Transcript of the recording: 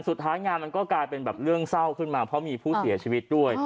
สุดท้ายงานมันก็กลายเป็นแบบเรื่องเศร้าขึ้นมาเพราะมีผู้เสียชีวิตด้วย